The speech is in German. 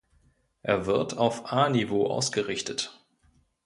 Er wird auf A-Niveau ausgerichtet.